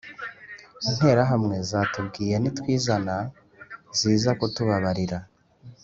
Interahamwe zatubwiye nitwizana ziza kutubabarira